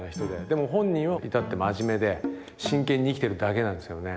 でも本人は至って真面目で真剣に生きてるだけなんですよね。